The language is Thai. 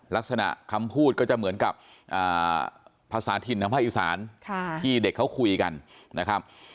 ลักษณะคำพูดก็จะเหมือนกับภาษาถิ่นทางภาคอีสานที่เด็กเขาคุยกันนะครับ